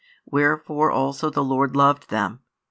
Wherefore also the Lord loved them.